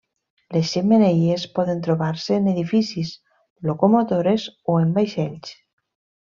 Les xemeneies poden trobar-se en edificis, locomotores o en vaixells.